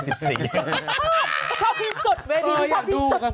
ชอบที่สุด